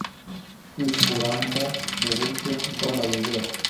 kwikuramo muburyo bwamayobera